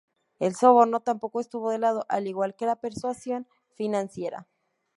El soborno tampoco estuvo de lado, al igual que la persuasión financiera.